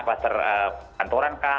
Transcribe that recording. kluster kantoran kah